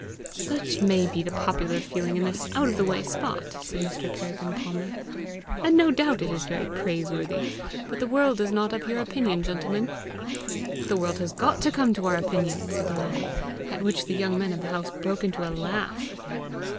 "Such may be the popular feeling in this out of the way spot," said Mr. Peregrine Palmer, "and no doubt it is very praiseworthy, but the world is not of your opinion, gentlemen." "The world has got to come to our opinion," said the laird at which the young men of the house broke into a laugh.